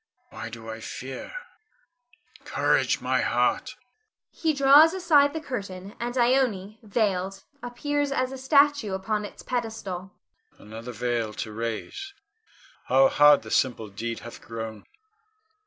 Why do I fear? Courage, my heart! [He draws aside the curtain, and Ione, veiled, appears as a statue upon its pedestal.] Another veil to raise! How hard the simple deed hath grown.